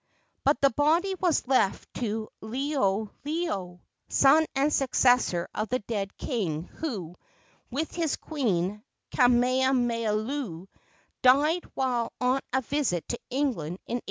But the body was left to Liholiho, son and successor of the dead king who, with his queen, Kamamalu, died while on a visit to England in 1824.